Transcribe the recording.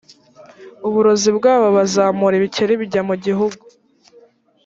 uburozi bwabo bazamura ibikeri bijya mu gihugu